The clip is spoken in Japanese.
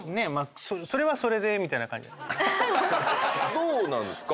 どうなんですか？